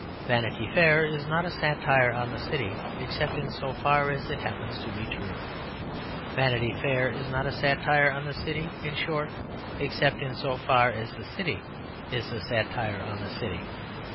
Vanity Fair is not a satire on the City except in so far as it happens to be true. Vanity Fair is not a satire on the City, in short, except in so far as the City is a satire on the City.